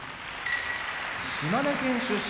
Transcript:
島根県出身